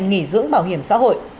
nghỉ dưỡng bảo hiểm xã hội